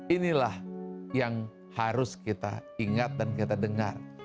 inilah yang harus kita ingat dan kita dengar